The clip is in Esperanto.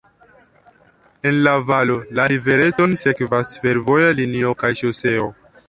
En la valo la rivereton sekvas fervoja linio kaj ŝoseo.